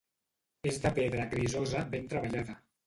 És de pedra grisosa ben treballada.